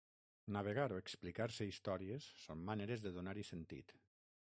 Navegar o explicar-se històries són maneres de donar-hi sentit.